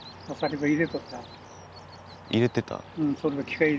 「入れていた」？